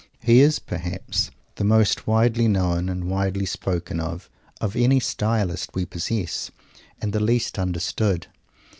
He is, perhaps, the most widely known, and widely spoken of, of any stylist we possess, and the least understood.